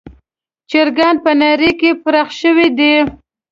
چرګان په نړۍ کې پراخ شوي دي.